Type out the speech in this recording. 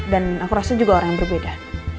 dan aku rasa juga orang yang berbeda